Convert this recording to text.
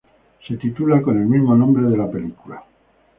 Se titula con el mismo nombre de la película.